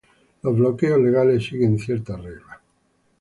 Los bloqueos legales siguen ciertas reglas.